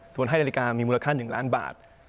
ส่วนให้นาฬิกามีมูลค่า๑ล้านบาท